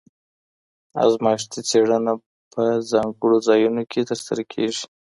ازمایښتي څېړنه په ځانګړو ځایونو کې ترسره کېږي.